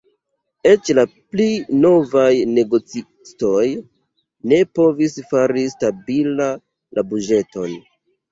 Eĉ la pli novaj negocistoj ne povis fari stabila la buĝeton.